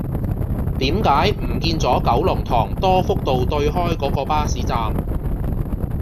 點解唔見左九龍塘多福道對開嗰個巴士站